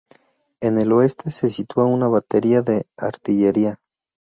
En el oeste se sitúa una batería de artillería.